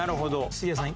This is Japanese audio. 杉谷さん。